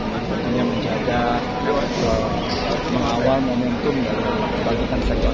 dan maksudnya menjaga mengawal momentum dan membangkitkan sektor